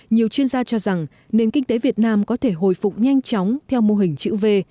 nhiều chuyên gia cho rằng nền kinh tế việt nam có thể hồi phục nhanh chóng theo mô hình chữ v